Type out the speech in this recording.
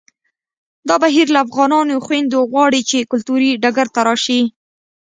دا بهیر له افغانو خویندو غواړي چې کلتوري ډګر ته راشي